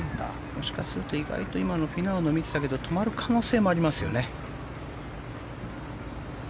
もしかすると、意外とフィナウの今のはミスだけど止まる可能性もありますよね。